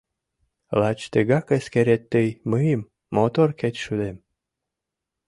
Лач тыгак эскерет тый мыйым, мотор кечшудем.